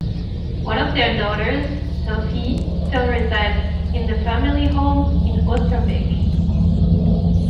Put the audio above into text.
One of her daughters, Sophie, still resides in the family home in Oosterbeek.